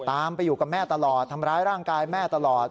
ไปอยู่กับแม่ตลอดทำร้ายร่างกายแม่ตลอด